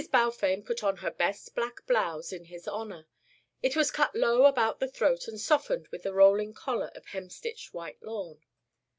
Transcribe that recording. Balfame put on her best black blouse in his honour; it was cut low about the throat and softened with a rolling collar of hemstitched white lawn.